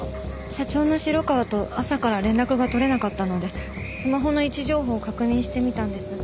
社長の城川と朝から連絡が取れなかったのでスマホの位置情報を確認してみたんです。